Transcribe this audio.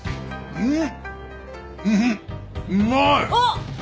うん！